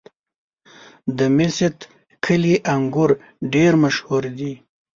د میست کلي انګور ډېر مشهور دي.